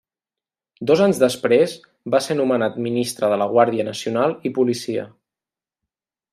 Dos anys després va ser nomenat Ministre de la Guàrdia Nacional i Policia.